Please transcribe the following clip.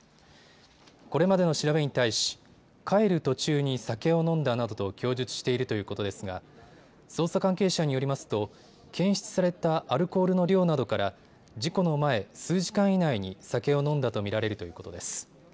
これまでの調べに対し、帰る途中に酒を飲んだなどと供述しているということですが捜査関係者によりますと検出されたアルコールの量などから事故の前、数時間以内に酒を飲んだと見られるということです。